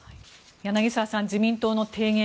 柳澤さん、自民党の提言